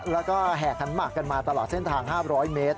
แล้วก็แห่ขันหมากกันมาตลอดเส้นทาง๕๐๐เมตร